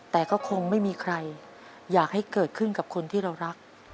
แต่ก็คงไม่มีใครอยากให้เกิดขึ้นกับคนที่เรารัก